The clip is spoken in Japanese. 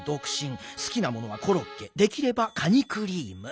すきなものはコロッケできればカニクリーム。